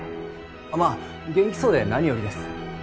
まあ元気そうで何よりです。